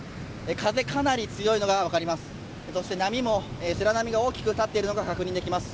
風、かなり強いのが分かります。